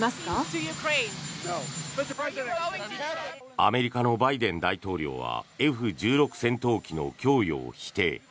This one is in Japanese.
アメリカのバイデン大統領はＦ１６戦闘機の供与を否定。